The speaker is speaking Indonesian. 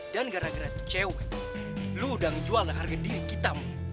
dan gara gara itu cewek lo udah ngejual dengan harga diri kita mon